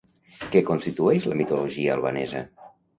Què constitueix la mitologia albanesa?